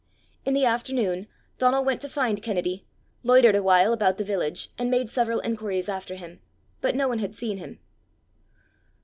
In the afternoon, Donal went to find Kennedy, loitered a while about the village, and made several inquiries after him; but no one had seen him.